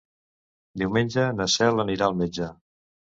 Diumenge na Cel anirà al metge.